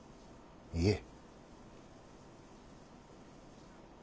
いえ。